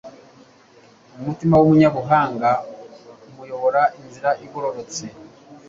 umutima w'umunyabuhanga umuyobora inzira igororotse